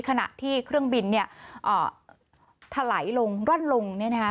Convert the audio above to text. ขณะที่เครื่องบินเนี่ยถลายลงร่อนลงเนี่ยนะคะ